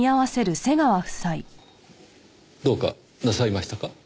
どうかなさいましたか？